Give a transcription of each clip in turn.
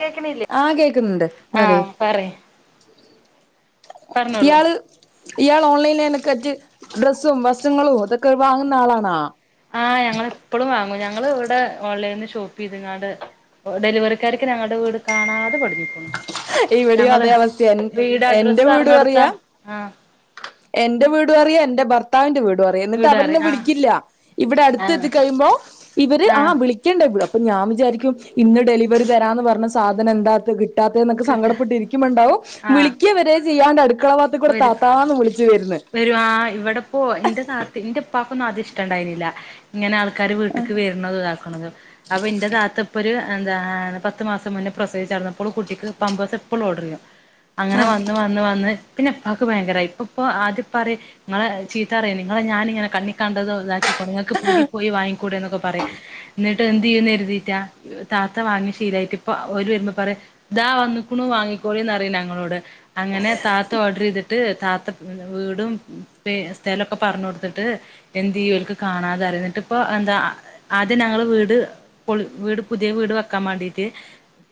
കേക്കണില്ലേ ആഹ് കേക്കുന്നുണ്ട് ആഹ് പറയൂ. പറഞ്ഞോളു. ഇയാള് ഇയാൾ ഓൺലൈനൽെക്കറ്റ് ഡ്രസ്സും വസ്ത്രങ്ങളും ഇതൊക്കെ വാങ്ങുന്ന ആളാണാ ആഹ് ഞങ്ങ ഇപ്പളു വാങ്ങൂ ഞങ്ങള് ഇവിടെ ഓൺലൈനിന്ന് ഷോപ്പ് ചെയ്ത്ങ്ങാട് ഡെലിവറിക്കാരിക്ക് ഞങ്ങളുടെ വീട് കാണാതെ പഠഞ്ഞിരിക്കുന്നു ഇവിടെയും അതേ അവസ്ഥൻ എന്റെ അഡ്രസ്സ് പറഞ്ഞ് കൊടുത്താ വീട്അറയാ ആഹ് എന്റെ വീട് അറിയ എന്റെ ഭർത്താവിന്റെ വീട് ടു അറിയ എന്നിട്ട് വീട് അവരെന്നെ അറിം ആഹ് വിളിക്കില്ല ഇവിടെ അടുത്ത് എത്തി ആഹ് കഴിയുമ്പോ ഇവര് ആഹ് വിളിക്കേണ്ട അപ്പൊ ഞാൻ വിചാരിക്കും ഇന്ന് ഡെലിവറി തരാന്ന് പറഞ്ഞ സാധനം എന്താത് കിട്ടാ തെ ന്നൊക്കെ കിട്ട സങ്കടപ്പെട്ടി ഇരിക്കുമ്പണ്ടാവും ആഹ് വിളിക്കവരെ ചെയ്യാണ്ട് അടുക്കളവാത്തി കൂടെ വരും താത്താന്ന് വിളി വരും ആഹ് ഇവിടെപ്പോ എന്റെ താത്ത് എന്റെപ്പാക്കൊന്നും ആദ്യം ഇഷ്ടണ്ടായിന്നില്ല ഇങ്ങനെ ആള് ക്കാര് വീട്ടിക്ക് വരണതു ഇതാക്കണുന്നത് അപ്പൊ എന്റെ താത്ത ഇപ്പൊ ഒരു എന്താണ് പത്ത് മാസം മുന്നേ പ്രൊസേച് അട്ന്നപ്പോളും കുട്ടിക്ക് പമ്പേഴസ് എപ്പോളു ഓഡർ ചെയ്യും അങ്ങനെ ആഹ് വന്ന് വന്ന് വന്ന് പിന്നെ എപ്പക്ക് ഭയങ്കരമായി ഇപ്പൊ പ്പൊ ആദ്യ പ്പറി നിങ്ങളെ ചീത്തറിയ നിങ്ങളെ ഞാനിങ്ങനെ കണ്ണി കണ്ടതോ ഇതാക്കിക്കോട്ട ങ്ങൾക്ക് പീടി പോയി വാങ്ങിക്കൂടെ ന്നൊക്കെ പറയു ന്നെ ട്ട് എന്ത്യ്യുന്ന് എരുതിറ്റാ താത്ത വാങ്ങി ശീലയിട്ട് ഇപ്പൊ ഒരു വരുമ്പോ പറയാ ഇതാ വന്നക്ണു വാങ്ങി കോളീം ന്നറി ഞങ്ങളോട് അങ്ങനെ താത ഓർഡർയ്തിട്ട് താത ങ്ങനെ വീടും പേ സ്ഥലൊക്കെ പറഞ്ഞു കൊടുത്തിട്ട് എന്ത്യ്യു ഓൽക്ക് കാണാത അറിയ ന്ന്ട്ട്പ്പോ എഹ് എന്താ ആദ്യം ഞങ്ങൾ വീട് പൊള് വീട് പുതിയ വീട് വെക്കാൻ മാണ്ടീട്ട്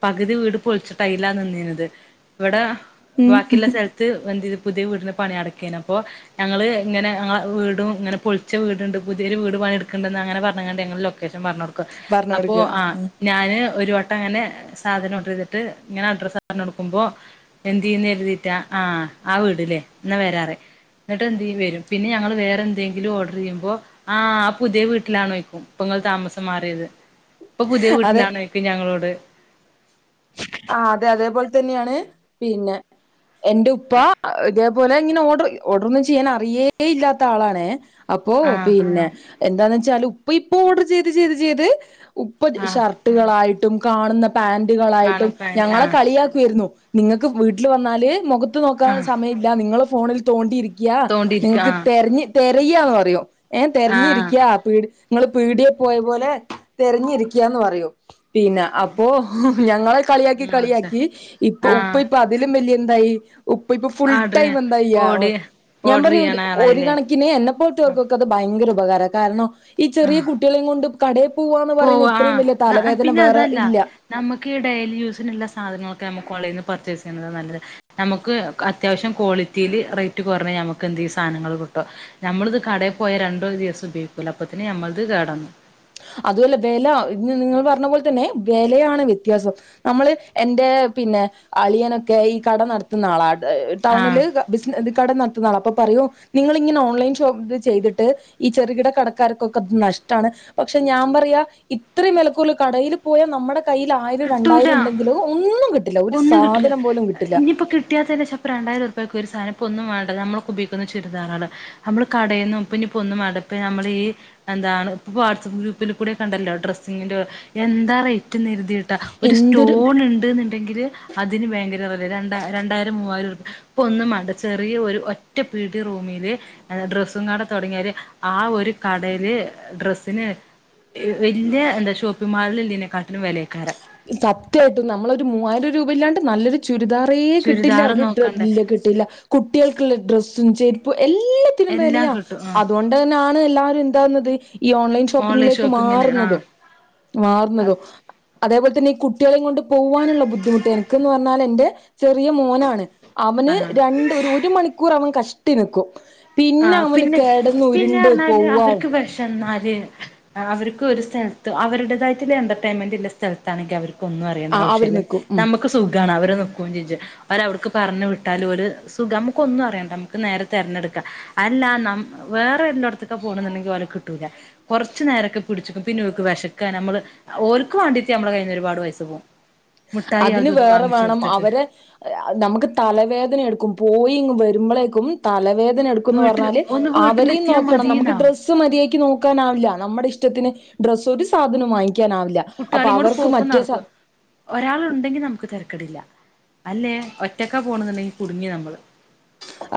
പകുതി വീട് പൊളിച്ചിട്ടൈല നിന്നീഞത് ഇവടെ ഉം ബാക്കിള്ള സ്ഥലത്ത് വന്ത് പുതിയ വീടിന പണി അടക്കേഞപ്പോ ഞങ്ങള് ഇങ്ങനെ അങ്ങളെ വീടുങ്ങനെ പൊളിച്ച വീടുണ്ട് പുതിയൊരു വീട് പണിെടുക്ണ്ട്ന്ന അങ്ങനെ പർഞ് ങ്ങാണ്ട് യങ്ങൾ ലൊക്കേഷൻ പറഞ് കൊടുക്കും പറഞ്ഞ് അപ്പോ കൊടുക്കുക ആഹ് ഞന് ഒരു വ ട്ടങ്ങനെ സാധനംഓഡർ ചെയ്തിട്ട് ഇങ്ങനെ അഡ്രസർഞടുക്കുമ്പോ എന്തെയ്യുന്നര്തീറ്റാ ആഹ് ആ വീട് ല്ലേ ന്നാ വരാറി ന്നട്ട് എന്തെയ്യും വരും പിന്നെ ഞങ്ങൾ വേറെ എന്തെങ്കിലും ഓർഡർ ചെയ്യുമ്പോ ആഹ് ആ പുതിയ വീട്ടിലാണോയ്ക്കും പെ താമസം മാറിയത് ഇപ്പൊ പുതിയ വീട്ടിലണക്കും ഞങ്ങളോട്. ആഹ് അതെ അതേപോലെ തന്നെയാണ് പിന്നെ. എന്റെ ഉപ്പ ഇതേപോലെ ഇങ്ങനെ ഓർഡർ ഓർഡർ ഒന്നും ചെയ്യാൻ അറിയേ ഇല്ലാത്ത ആളാണ് അപ്പോ ആഹ് പിന്നെ എന്താന്ന് വെച്ചാല് ഉപ്പ ഇപ്പൊ ഓഡർ ചെയ്ത് ചെയ്ത് ചെയ്ത് ഉപ്പ ആഹ് ഷർട്ടുകളായിട്ടും കാണുന്ന പാന്റുകളായിട്ടും കാണും പാന്റ് ഞങ്ങളെ ആഹ് കളിയാക്കിയിരുന്നു നിങ്ങൾക്ക് വീട്ടിൽ വന്നാല് മുഖത്ത് നോക്കാൻ ആഹ് സമയല്ലാ നിങ്ങൾ ഫോണിൽ തോണ്ടിയിരിക് യാ തോണ്ടിയിരിക്ക നിങ്ങക്ക് തെര്ഞ് തെരയാന്ന് പറയോ എ ആഹ് തെര്നിരിക്ക്യ പിട് ഇങ്ങൾ പീടിയെ പോയ പോലെ തെരഞ്ഞിരിക്ക്യാന്ന് പറയും പിന്നെ അപ്പോ ഞങ്ങളെ കളിയാക്കി ആഹ് കളിയാക്കി ഇപ്പൊ ഉപ്പ ആഹ് ഇപ്പൊ അതിലും വെലിയ എന്തായി ഉപ്പ ഇപ്പൊ ഫുൾ ടൈം ആഹ് എന്തായ്യാ ഓർഡർ ഞാൻ ഓർഡർ പറയും ചെയ്യണ ഒരു ആളായില്ലേ കണക്കിന് എന്നെ ആഹ് പോൽതോർകൊക്കെ അത് ഭയങ്കര ഉപകാര കാരണം. ഈ ചെറിയ ആഹ് കുട്ടിളീം കൊണ്ട് കടെയ് പോവാന്ന് പോവ പറയുന്ന ഇത്രയും വലിയ തലവേദന വേറെ ഇല്ല ക്ക് ഡെയിലി യൂസിന്ള്ള സാധനങ്ങളൊക്കെ നമ്മക്ക് ഓൺലൈനിൽന് പർച്ചേസ് ചെയ്യുന്നതാ നല്ലത് നമുക്ക് അത്യാവശം കോളി ഇതിൽ റൈറ്റ് കോറഞ്ഞ ഞമ്മക്ക് എന്തെ സാനങ്ങൾ കിട്ടും. നമ്മളിത് കടയിൽ പോയ രണ്ടോ ഒരുദിവസോ ഉപയോഗിക്കൂല അപ്പത്തിന് നമ്മളത് കെട അതുഅല്ലാ വെല ഞ്ഞി നിങ്ങൾ പറഞ്ഞ പോലെ തന്നെ വിലയാണ് വ്യത്യാസം. നമ്മൾ എന്റെ പിന്നെ അളിയനോക്കെ ഈ കട നടത്തുന്ന ആളാണ്. ടൗണിൽ ആഹ് ബിസിനസ് കട നടത്തുന്നആളാണ് അപ്പൊ പറയൂ നിങ്ങൾ ഇങ്ങനെ ഓൺലൈൻ ഷോപ്ത് ചെയ്തിട്ട് ഈ ചെറുകിട കടക്കാർക്കൊക്കെ ത് നഷ്ടാണ് പക്ഷെ ഞാൻ പറയാ, ഇത്രയും വെലക്കൂറിൽ കടയിൽ പോയാ നമ്മടെ കയ്യിൽ ആയിരം രണ്ടായിരം കിട്ടൂല ഉണ്ടെങ്കിലും ഒന്നും കിട്ടൂല ഒന്നും കിട്ടില്ല. ഇനിയിപ്പോ കിട്ടിയാ തന്നെ ചെൽപ്പം രണ്ടായിരം ഉർപ്പിക്കെ ഒരിസം പ്പൊന്നും വേണ്ട നമ്മൾ ക്കെ ഉപയോക്കുന്ന ചുരിദാറാള് നമ്മള് കടയിൽന്നും ഇപ്പൊ ഇനിപ്പോ ന്നും വാണ്ട ഇപ്പൊ ഞമ്മൾ ഈ എന്താണ് ഇപ്പൊ വാട്സ്ആപ്പ് ഗ്രൂപ്പിൽ കൂടെക്കെ ഉണ്ടല്ലോ ഡ്രസ്സിങ്ങിന്റെ എന്താ റേറ്റ്ന്ന് കരുതിയിട്ടാ ന്താ ഒരു എന്തൊരു സ്റ്റോൺ ഇണ്ട്ന്നുണ്ടെങ്കിൽ അതിന് ഭയങ്കര വെലെ രണ്ട രണ്ടായിരം മൂവ്വായിരം ഇപ്പൊ ഒന്നും വാണ്ട ചെറിയ ഒരു ഒറ്റ പീടി റൂമില് ഡ്രസ്സും കട തുടങ്ങിയാൽ ആ ഒരു കടയില് ഡ്രസ്സിന് വെ വെല്ലിയേ എന്താ ഷോപ്പിംഗ് മാളിൽ ഇല്ലീനെ കാട്ടിലും വെലെയ്ക്കാരം സത്യായിട്ടും നമ്മളൊരു മൂവായിരം രൂപല്ലാണ്ട് നല്ലൊരു ചുര് ചുരിദാറേ കിട്ടില്ല ചുരിദാർ ഒരു ഡ്രെ നോക്കണ്ടേ ഇല്ല കിട്ടില്ല കുട്ടികൾക്കുള്ള ഡ്രസ്സും ചെര് എല്ലത്തിനും എല്ലാം വെലെയാ കിട്ടും ആ അതുകൊണ്ട് തന്നെയാണ് എല്ലാരും എന്താക്ന്നത് ഈ ഓൺലൈൻ ഷോപ്പിങ്ങിലേക്ക് ഷോപ്പിങ്ങിന് ആ മാറുന്നതും മാറുന്നതും അതേപോലെ ഈ കുട്ടിയെളേം കൊണ്ട് പോവാനുള്ള ബുദ്ധിമുട്ട്, എനിക്ക്ന്ന് പറഞ്ഞാൽ എന്റെ ചെറിയ മോനാണ് ആ അവന് രണ്ട് ഒരു ഒരു മണിക്കൂർ അവൻ കഷ്ട്ടി നിക്കും ആ പിന്നെ അവന് പിന്നെ കെടന്ന് ഉരുണ്ട് പിന്നെർഞ്ഞാൽ പോവാ അവർക്ക് വെശന്നാൽ അവർക്ക് ഒരു സ്ഥലത്ത്, അവരുടേതായിട്ടുള്ള എന്റർടൈൻമെന്റ് ഉള്ള സ്ഥലത്താണെങ്കിൽ അവർ ഒന്നും അറിയേണ്ട ആ അവര് ആവശ്യമില്ല. നിക്കും ഉം നമുക്ക് സുഖാണ് അവര് നിക്കും ചെജ്ജും. അവര് അവർക്ക് പറഞ്ഞു വിട്ടാൽ ഒരു സുഖം നമുക്കൊന്നും അറിയണ്ട നമുക്ക് നേരെ തിരഞ്ഞെട് അല്ലാ വേറെ വെല്ലോട്ത്ക്കാ പോണ്ന്ണ്ടങ്കിൽ ഓലെ കിട്ടൂല കുറുച്ച് നേരൊക്കെ പിടിച്ച്ക്കും പി നോക്ക് വെശക്കാ നമ്മള് ഓല്ക്ക് വേണ്ടിട്ട് നമ്മടെ കയ്യ്ന്ന് ഒരുപാട് പൈസ പോകും അതിന് വേറെ വേണം അവരെ അ നമുക്ക് തലവേദന എടുക്കുമ്പോ പോയി ഇങ് വരുമ്പളെക്കും തലവേ എടുക്കുന്ന് വീട്ടിൽ പറഞ്ഞാല് ഒന്ന് അവരെയും വീട്ടിലെത്തിയാ നോക്കണം നമക്ക് മതിന്നാവും ഡ്രസ്സും മതിഎയ്ക് നോക്ക് ക്കാനാവില്ല നമ്മുടെ ഇഷ്ടത്തിന് ഡ്രസ്സ് ഒരു സാധനും വാങ്ങിക ക്യാനാവില്ല അപ്പൊ കുട്ടികളെയും അവർക്ക് മറ്റേസ ണ്ടെങ്കിൽ നമുക്ക് തെരക്കടില്ല അല്ലേ ഒറ്റക്കാ പോണ്ന്നുണ്ടെങ്കിൽ കുടുങ്ങി നമ്മള്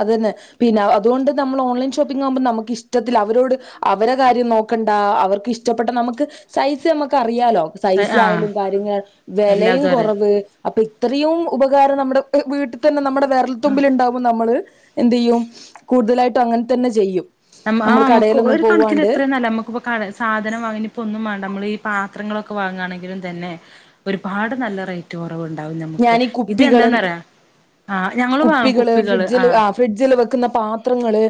അത് തന്നെ പിന്നെ അതുകൊണ്ട് നമ്മ ള് ഓൺലൈൻ ഷോപ്പിംഗാവുമ്പോ നമുക്ക് ഇഷ്ടത്തിൽ അവരോട് അവരെ കാര്യം നോ നോക്കണ്ടാ അവർക്ക് ഇഷ്ടപ്പെട്ട നമ. മക്ക് സൈസ് നമുക്ക് അറിയാലോ സൈസ് ആഹ് ആയാലും കാര്യങ്ങൾ വെലയും എല്ലാതും അറിയാം കുറവ് അപ്പൊ ഇത്രയും ഉപകാരം നമ്മുടെ ത് വീട്ടിൽ തന്നെ നമ്മുടെ വിരൽത്തുമ്പിൽണ്ടാവും മ്മള് എന്ത്യ്യും കൂടുതലായിട്ടും അങ്ങൻ തന്നെ ചെയ്യും ആഹ് നമ്മൾ നമുക്ക് കടയിലൊന്നും ഒരു കണക്കിൽ പോവാണ്ട് എത്രയും നല്ലത് നമുക്കിപ്പോ കട സാധനം വാങ്ങിയിപ്പോ ഒന്നും വേണ്ട നമ്മൾ ഈ. പാത്രങ്ങളൊക്കെ വാങ്ങുകയാണെങ്കിലും തന്നെ ഒരുപാട് നല്ല റേറ്റ്. കുറവണ്ടാവും നമുക്ക് ഞാൻ ഈ ഇത് കുപ്പികള് എന്താണെന്ന് അറിയോ? കുപ്പികള് ഫ്രിഡ്ജില് ആഹ് ഫ്രിഡ്ജില് വെക്കുന്ന പാത്രങ്ങള്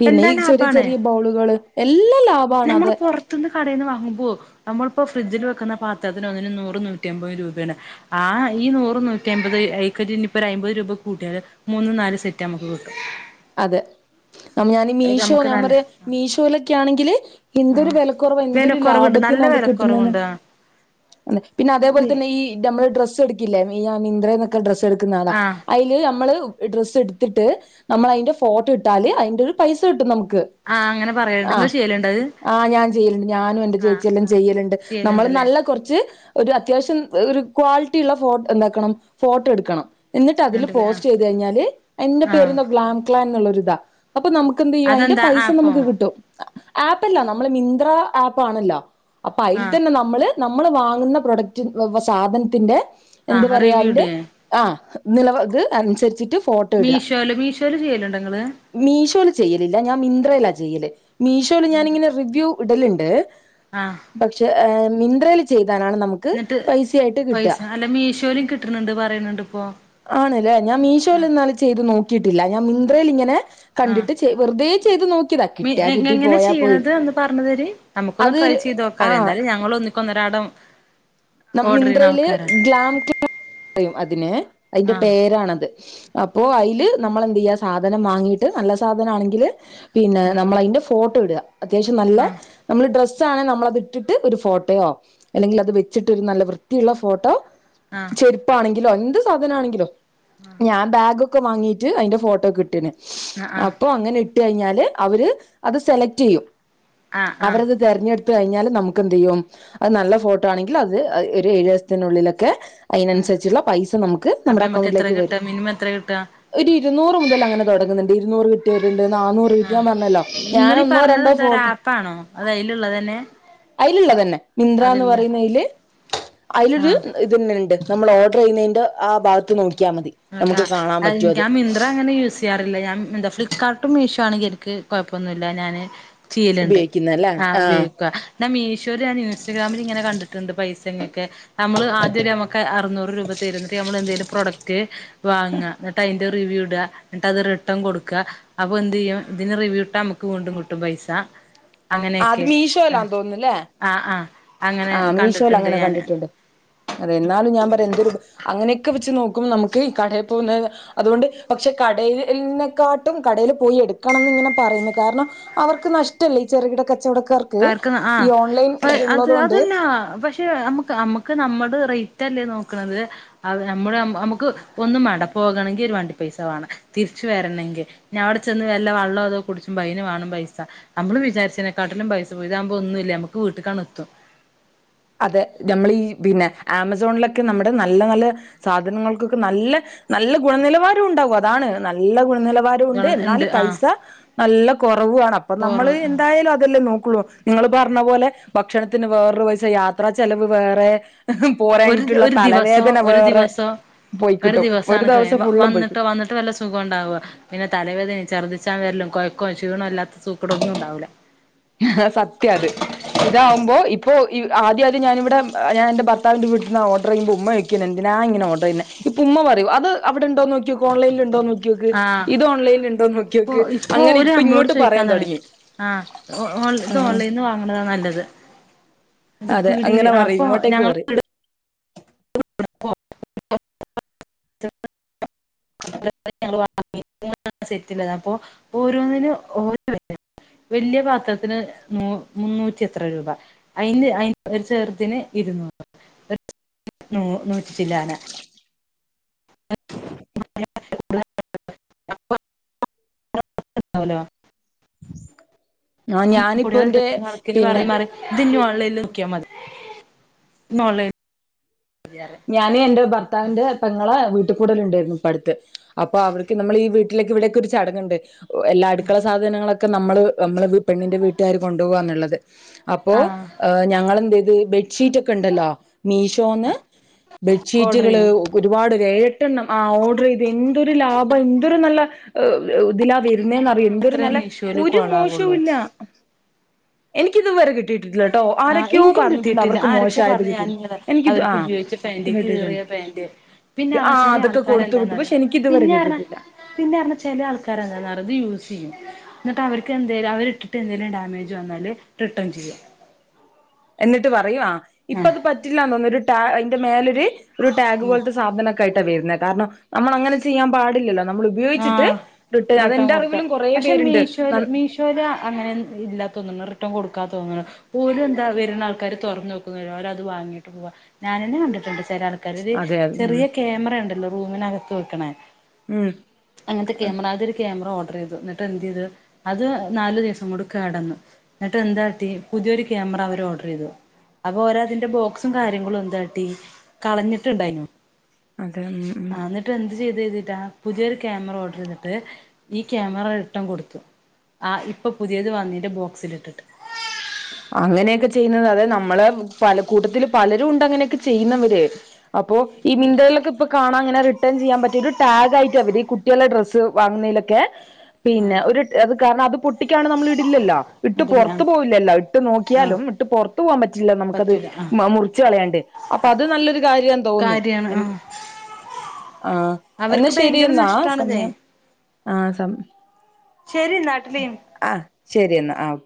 പിന്നെ ഈ ചെറിയ. ആണ് ചെറിയ ബൗളുകള് എല്ലാം ലാഭാണ് നമ്മള് അത് പുറത്തെന്ന് കടയെന്ന് വാങ്ങുമ്പോ നമുക്കിയിപ്പോ. ഫ്രിഡ്ജിൽ വെക്കുന്ന പാത്രത്തിന് ഒന്നേ നൂറ് നൂറ്റമ്പത് രൂപയാണ് ആഹ് ഈ നൂറും നൂറ്റിമ്പത് ഇയാൾക്ക്. ഇവര് ഇനിയിപ്പോ അപത് രൂപ കൂട്ടിയാല് മൂന്നും നാലും സെറ്റ് നമുക്ക് കിട്ടും. അതെ നമ്മ് ഞാനീ ഇത് മീഷോ നമുക്ക് ഞാൻ നല്ല പറയാം മീഷോയിലൊക്കെ ആണെങ്കില് ആ എന്തൊരു വിലക്കുറവ് എന്തൊരു വിലക്കുറവുണ്ട് ലാഭത്തിന്. നല്ല അത് കിട്ടുന്നന്ന് വിലക്കുറവുണ്ട്. പിന്നെ അതേപോലെ തന്നെ ഈ നമ്മള് ഡ്രസ്സ് എടുക്കില്ലേ മൈന്ത്ര. മൈന്ത്ര എന്നൊക്കെ ഡ്രസ്സ് എടുക്കുന്ന ആളാ ആ അതില് നമ്മള് ഡ്രസ്സ് എടുത്തിട്ട്. നമ്മള് അതിന്റെ ഫോട്ടോ ഇട്ടാല് അതിന്റെ ഒരു പൈസ കിട്ടും നമുക്ക്. ആഹ് അങ്ങനെ പറയാൽ ഉണ്ട് ആ ഇങ്ങള് ചെയ്യൽ ഉണ്ടോ. ആഹ് ഞാൻ ചെയ്യലുണ്ട്, ഞാനും എന്റെ ചേച്ചിയെല്ലാം ചെയ്യലുണ്ട് നമ്മള് ചെയ്യലുണ്ടല്ലേ നല്ല കുറച്ച് ഒരു അത്യാവശ്യം. ഒരു ക്വാളിറ്റിയുള്ള ഫോ എന്താക്കണം ഫോട്ടോ എടുക്കണം. എന്നിട്ട് അതില് ഉണ്ടല്ലേ ആ പോസ്റ്റ് ചെയ്ത് കഴിഞ്ഞാല് എന്റെ ആ പേര് നോക്കി. പ്ലാൻ എന്നുള്ളൊരു ഇതാ അപ്പൊ നമുക്ക് എന്ത് ചെയ്യും, അതിന്റെ അതെന്താ പൈസ ആപ്പോ നമുക്ക് കിട്ടും. ആപ്പ് അല്ല നമ്മള് മൈന്ത്ര ആപ്പ് ആണല്ലോ, അപ്പൊ അതിൽ ആ തന്നെ നമ്മള്. നമ്മള് വാങ്ങുന്ന പ്രൊഡക്റ്റ് സാധനത്തിന്റെ ആ എന്താ പറയാ റിവ്യൂ അതിന്റെ ഇടേ ആഹ്. നിലവാരം അനുസരിച്ചിട്ടും മീഷോല് മീഷോല് ചെയ്യലുണ്ടോ ഇങ്ങള്. ചെയ്യാൽ ഇല്ല ഞാൻ മൈന്ത്രയില് ചെയ്യല് മീഷോയിൽ ഞാനിങ്ങനെ റിവ്യൂ ഇടലുണ്ട്. ആ പക്ഷേ ഏ മിന്ത്രൽ ചെ എന്നിട്ട് പൈസ അല്ല മീഷോയിലും കിട്ടുന്നുണ്ട് പറയുന്നുണ്ട് ഇപ്പോ. ആണല്ലേ ഞാൻ ആ മീഷോയിൽ എന്നാലും ചെയ്ത് നോക്കിയിട്ടില്ല ഞാൻ മിന്ത്രയിൽ ഇങ്ങനെ ആ കണ്ടിട്ട് ചെ വെറുതെ ചെയ്ത് നോക്കിയതാ, മി കിട്ടിയാ കിട്ടി എങ്ങനെ പോയാ പോയി, ചെയ്യണത് ഒന്ന് പറഞ്ഞു തരി നമുക്കൊന്ന് അത് ട്രൈ ചെയ്ത് നോക്കാലെ ആഹ് എന്തായാലും ഞങ്ങള് ഒന്നിക്ക് ഒന്നരാടം നം മിന്ത്രയില് ഗ്ലാം [unintelligible] പറയും അതിന് അയിന്റെ ആ പേരാണത് അപ്പോ അയില് നമ്മള് എന്ത് ചെയ്യ സാധനം വാങ്ങീട്ട് നല്ല സാധന ആണെങ്കില് പിന്നെ നമ്മള് അയിന്റെ ഫോട്ടോ ഇടുക. അത്യാവശ്യം നല്ല ആ നമ്മള് ഡ്രസ് ആണെ നമ്മളത് ഇട്ടിട്ട് ഒരു ഫോട്ടോയോ അല്ലെങ്കിൽ അത് വെ ച്ചിട്ടൊരു നല്ല വൃത്തിയുള്ള ഫോട്ടോ ആ ചെരുപ്പാണെങ്കിലോ എന്ത് സാധന ആണെങ്കിലോ ഞാൻ ബാഗൊക്കെ വാങ്ങീട്ട് അയിന്റെ ഫോട്ടോക്കെ ഇട്ട്ണ് ആ അപ്പോ അങ്ങനെ ഇട് ട്ട് കഴിഞ്ഞാല് അവര് അത് സെലക്ട് ചെയ്യും ആ ആ ആ അവരത് തെരഞ്ഞെട് ത്ത് കഴിഞ്ഞാല് നമുക്ക് എന്ത് ചെയ്യും അത് നല്ല ഫോട്ടോ ആണെങ്കിൽ അത് അ ഒരു ഏഴ് ദിവസത്തിനുള്ളിലൊക്കെ അയിനനുസരിച്ചുള്ള പൈസ നമുക്ക് അപ്പൊ നമ്മുടെ നമ്മക്ക് എത്ര അക്കൗണ്ടിലേക്ക് കിട്ടാ വരും. മിനിമം എത്ര കിട്ടാ ഒരു ഇരുന്നൂറ് മുതൽ അങ്ങനെ തൊടങ്ങുന്നുണ്ട് ഇരുന്നൂറ് കിട്ടിയരുണ് ണ്ട് നന്നൂറ് ആ കിട്ടിയാൻ പറഞ്ഞല്ലോ ഞാന് നിങ്ങളീ ഒന്നോ പറഞ്ഞത് രണ്ടോ എന്താ ഒരു ഫോട് ആപ്പാണോ അത് അതിലുള്ളത് തന്നെ അയിലുള്ള തന്നെ മിന്ത്ര എന്ന് അതില്ല പറയുന്നെല്. ആ അയിലൊരു ഇതന്നെ ഇണ്ട് നമ്മൾ ഓർഡർ ചെയ്യുന്നെന്റെ ആ ഭാഗത്ത് നോ നോക്ക മിത്ര അങ്ങനെ യൂസ് ചെയ്യാറില്ല, ഞൻ എന്താ ഫ്ലിപ്കാർട്ടും മീഷ് ആണെങ്കിൽ എനിക്ക് കൊഴപ്പൊന്നുല്ല ഞാന് ചീലുണ്ട്, ഉപയോഗിക്കുന്ന അല്ലേ ആഹ് ഉപയോഗിക്ക. ഞാൻ മീഷോര് ആണ് [unintelligible] ഇൻസ്റ്റഗ്രാമിൽ ഇങ്ങനെ കണ്ടിട്ടുണ്ട് പൈസ ഇങ്ങൊക്കെ നമ്മള് ആദ്യം നമുക്ക് അറുന്നൂറ് രൂപ തരും എന്നിട്ട് നമ്മള് എന്തേലും പ്രോഡക്റ്റ് വാങ്ങ എന്നിട്ട് അയി ട്ട് റിവ്യൂ ഇടുക, എന്നിട്ട് അത് റിട്ടേൺ കൊടുക്കുക, അപ്പോ എന്ത് ചെയ്യ ഇതിന് റിവ്യൂ ഇട്ടാ നമുക്ക് വീണ്ടും കിട്ടും പൈസ. ആ അത് അങ്ങനെയൊക്കെ മീശോലാന്ന് തോന്നുന്നുല്ലേ...? ആഹ് ആഹ് അങ്ങനെ ആ കണ്ടിട്ടുണ്ട് മീഷോലങ്ങനെ ഞാന് കണ്ടിട്ടുണ്ട്. അതെ എന്നാലും ഞാൻ പറയാ എന്തരു അങ്ങനെ വെച് നോക്കുമ്പ നമുക്ക് ഈ കടയിൽ പോക അതുകൊണ്ട് പക്ഷെ കടെക്കാട്ടും കടേൽ പോയി എടുക്കണം ഇങ്ങനെ പറയുന്നു കാരണം, അവർക്ക് നഷ്ടല്ല ഈ ചെറുകിട കച്ചവട ക്കാർക്ക് കാർക്ക് ഈ ആഹ് ഓൺലൈൻ പ്പ അത് ഇള്ളതുകൊണ്ട് അതല്ല പക്ഷെ നമുക്ക് നമുക്ക് നമ്മുടെ റേ റ്റല്ലേ നോക്കണത് നമ്മുടെ നമുക്ക് ഒന്നും മാണ്ട പോകണങ്കിൽ ഒരു വണ്ടി പൈസ വാണം. തിരി തിരിച്ചു വരണെങ്കി, പിന്നവ്ടെ ചെന്ന് വല്ല വെള്ളോ അതോ കുടിച്ചുംബ അയ്നുവാണം പൈസ. നമ്മള് വിചാരിച്ചതിനെക്കാട്ടിലും പൈസ ഇതാകുമ്പോ ഒന്നു ഇല്ല നമ്മുക്ക് വീട്ടക്കാണെത്തും. അതെ, നമ്മൾ ഈ പിന്നെ ആമസോണിലൊക്കെ നമ്മുടെ നല്ല നല്ല സാധനങ്ങൾക്കൊക്കെ നല്ല നല്ല ഗുണനിലവാരം ഉണ്ടാകും അതാണ് നല്ല ഗുണനില വാരം ഉണ്ട്, എന്നാല് പൈസ നല്ല കുറവും ആണ്. അപ്പൊ നമ്മള് കൊറവ് എന്തായാലും അതല്ലേ നോക്കുളളൂ. ങ്ങള് പറഞ്ഞ പോലെ ഭക്ഷണത്തിന് വേറൊരു പുഴ, യാത്രാ ചെലവ് വേറെ ഹഹ ഒരു പോരാഞ്ഞിട്ടുള്ള ഒരു ദിവസോ തലവേദന ഒരു വേറെ ദിവസോ ഒരു പോയിക്കിട്ടും ദിവസാണ് ദിവസം കഴിയുംബൊ ഫുള്ളും പോയിക്കിട്ടും വന്നിട്ട് വന്നിട്ട് വല്ല സുഖം ഉണ്ടാവോ പിന്നെ തലവേദനിം ചർദിച്ച് വരലും കൊയ്ക്കോ ശീണോ ഇല്ലാത്ത സൂക്കേടൊന്നു ണ്ടാവൂല. ഹ ഹ സത്യാത്. ഇതാവുമ്പോ ഇപ്പോ ഈ ആദ്യ ആദ്യം ഞാനിവിടെ ഞാനെന്റെ ഭർത്താവിന്റെ വീട്ടിന് ഓഡറ് ചെയ്യുമ്പോ ഉമ്മ ചോയ്ക്കല്ൺട് ഞാനങ്ങനെ ഓർഡർ ചെയ്യില്ല. ഇപ്പം ഉമ്മ പറയും അത് അവിടെണ്ടോ നോക്കിയോക്ക് ഓൺലൈനിലുണ്ടോന്ന് നോക്ക് നോക്ക്, ആഹ് ഇത് ഓൺലൈനിൽ ഉണ്ടോന്ന് ഇപ്പൊ നോക്കിനോക്ക് അങ്ങനെ ഓര് ഇപ്പൊ ഇങ്ങോട്ട് പറയാൻ തുടങ്ങി. ഓ ഓൺ ഇത് ആഹ് ഓൺലൈനിൽ നിന്ന് വാങ്ങ്ണതാ നല്ലത്. ഇത് അതെ പീടിയില് അങ്ങനെ പറയും അപ്പൊ ഇങ്ങോട്ടേക്ക് ഞങ്ങൾ പറയും. [unintelligible] [unintelligible] അപ്പൊ ഓരോന്നിനും [unintelligible] വലിയ പാത്രത്തിന് മു മുന്നൂറ്റി എത്ര രൂപ അയിന് അയിന് ഒരു ചെർത് ന് ഇ [unintelligible] നൂറ്റി ചില്ലാന [unintelligible] ആ ഞാനിപ്പോ [unintelligible] എന്റെ ഇത് പിന്നെ ഇനി ഓൺലൈനിൽ നോക്കിയാൽ മതി ഓൺലൈനി ഞാന് എന്റെ ഭർത്താവിന്റെ പെങ്ങളെ വീ വീട്ട്ക്കൂടല്ണ്ടായിരുന്നു ഇപ്പടുത്ത്. അപ്പൊ അവർക്ക് നമ്മൾ ഈ വീട്ടിലേക്ക് ഇവിടെയൊക്കെ ഒരു ചടങ്ങ്ണ്ട് എല്ലാ അടുക്കള സാധനങ്ങളൊക്കെ നമ്മള് നമ്മള് പെണ്ണിന്റെ വീട്ടുകാര് കൊണ്ടോവന്ന്ള്ളത്. അപ്പോ ആഹ് ഏ ഞങ്ങളെന്തെയ്ത്, ബെഡ്ഷീറ്റ് ഒക്കെണ്ടല്ലോ മീഷോന്ന് ഓർഡർ ബെഡ്ഷീറ്റുകള് ചെയ്യും ഒരുപാ ഏഴട്ടെണ്ണം ആഹ് ഓർഡർ ചെയ്ത് എന്തൊരു ലാഭം എന്തൊരു നല്ല ഇതിലാ വര് പിന്നേന്നറിയൊ എന്തൊരു അത്രേ നല്ല മീഷോയില് ഒരു കോളാവുള്ളൂ മോശവുല്ല. എനിക്കിതു വരെ കി കിട്ടീട്ടില്ലട്ടൊ. ആഹ് ആരൊക്കെയോ ഇൻക്കും പറഞ്ഞിട്ടുണ്ട് കിട്ടിയിട്ടില്ല അവർക്ക് ആരൊക്കെ മോശാ യത് പറഞ്ഞ് കിട്ടി ഞാനിങ്ങനെ എനിക്കിത് അവർക്ക് ആഹ് ഉപയോഗിച്ച പാന്റ് കീറിയ കിട്ടിട്ടുണ്ട് പാന്റ് പിന്നെ പറഞ്ഞ ആഹ് ചെല അതൊക്കെ കൊടുത്തു വിട്ടു. ആൾക്കാരെന്താന്നറിയോ പക്ഷെ എനിക്ക് ഇതുവരെ പിന്നെ പറഞ്ഞ കിട്ടീട്ടില്ല. പിന്നെ പറഞ്ഞാ ചെല ആൾക്കാര് എങ്ങനെന്നറിയോ ഇത് യൂസ് ചെയ്യും. എന്നിട്ട് അവർക്ക് എന്തേലും അവരിട്ടിട്ട് എന്തേലും ഡാമേജ് വന്നാല് റിട്ടേൺ ചെയ്യും. എന്നിട്ട് പറയുവാ ഇപ്പ ആഹ് അത് പറ്റില്ല തോന്നുന്നു, ഒരു ട്ടാ അതിന്റെ മേലൊരു ഒരു ടാഗ് പോലത്തെ സാധനൊക്കെ ആയിട്ടാ വരുന്നത് കാരണം, നമ്മൾ അങ്ങനെ ചെയ്യാൻ പാടില്ലല്ലോ നമ്മൾ ആ ഉപയോഗിച്ചിട്ട് റിട്ടേൺ അതെന്റെ കൊടുക്ക അറിവിലും കുറേ പക്ഷേ, പേരുണ്ട് മീഷോല് മീഷോല് അങ്ങനെ ഇല്ല. [unintelligible] റിട്ടൺ കൊടു തൊന്ന്ണ്. ഓലെന്താ വരുന്ന ആൾക്കാര് തുറന്ന് നോക്കൊന്നുല്ല. അവരത്‌ വാങ്ങിട്ട് പോവാ ഞാനെന്നെ കണ്ടിട്ടുണ്ട്. ചെല ആൾക്കാരു ഒരു അതെ ഉം ചെറിയ ക്യാമറ ഉണ്ടല്ലോ റൂമിനകത്ത് വെക്ക്ണ ഉം അങ്ങൻത്തെ ക്യാമറ അതൊരു ക്യാമറ ഓർ ഡറ് ചെയ്തു ന്നിട്ട് എന്ത് ചെയ്ത്, അത് നാല് ദിവസം കൊണ്ട് കേടന്നു. ന്ന്ട്ട് എന്താട്ടി പുതിയ ഒരു ക്യാമ മറ അവര് ഓർഡറ് ചെയ്തു. അപ്പൊ ഓരോതിന്റെ ബോക്സും കാര്യങ്ങളും എന്താട്ടീ കളഞ്ഞിട്ടുണ്ടായിനു അതെ മ് മ് ത് ചെയ്തെയ്ഞ്ട്ടാ പുതിയൊരു ക്യാമറ ഓർഡറ് യ്തിട്ട് ഈ ക്യാമറ റിട്ടൻ കൊടുത്തു ആഹ് ഇപ്പൊ പുതിയത് വന്നീന്റെ ബോക്സൽ ഇട്ടിട്ട് അങ്ങനെയൊക്കെ ചെയ്യുന്നത് അതെ നമ്മള പല കൂട്ടത്തില് പലരും ഉണ്ട് അങ്ങനെയൊക്കെ ചെയ്യുന്നവര് അപ്പോ ഈ മിൻഗലൊക്കെ പൊ കാണാൻങ്ങെ റിട്ടേൺ ചെയ്യാൻ പറ്റൊ ഒരു ടാഗായിട്ട് അവര് ഈ കുട്ടിളെ ഡ്രസ് വാങ്ങുന്ന യ്ലൊക്കെ ആ പിന്നെ ഒരു അത് കാരണം അത് പൊട്ടിക്കാണ് നമ്മൾ ഇടില്ലല്ലോ ഇട്ട് ഇടില്ല ആ പുറത്തു പോകില്ലല്ലോ ട്ട് ആ നോക്കിയാലും ഇട്ട് പുറത്തു പോകാൻ പറ്റില്ല നമുക്കത് പറ്റൂല ആ മ മുറിച് കളയാണ്ട് അപ്പോ അത് നല്ലൊരു കാര്യം തോന്നുന്നു കാര്യാണ് എൻ ആ ആഹ് എന്നാ അവർക്ക് ഭയങ്കര ശരിന്നാ നഷ്ടാണിതേ സമയം ആഹ് സം ശരി നാട്ടിലേഞ് ആ ശരി എന്നാ ആ